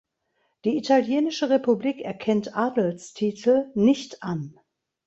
Die italienische Republik erkennt Adelstitel nicht an.